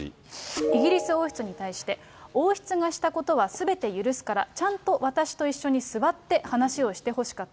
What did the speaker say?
イギリス王室に対して、王室がしたことはすべて許すから、ちゃんと私と一緒に座って話をしてほしかった。